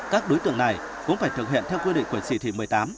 các đối tượng này cũng phải thực hiện theo quy định của chỉ thị một mươi tám